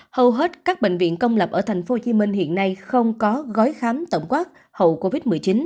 hầu hết các bệnh viện công lập ở tp hcm hiện nay không có gói khám tổng quát hậu covid một mươi chín